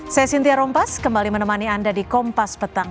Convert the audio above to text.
saya cynthia rompas kembali menemani anda di kompas petang